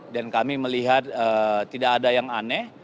dan kami melihat tidak ada yang aneh